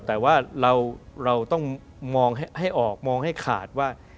แต่ว่าเราต้องมองให้ออกมองให้ขาดว่า